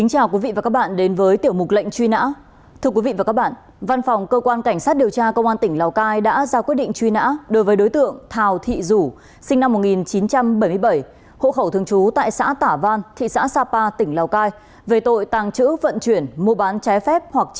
hãy đăng ký kênh để ủng hộ kênh của chúng mình nhé